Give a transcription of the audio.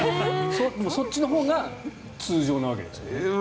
そっちのほうが通常なわけですよね。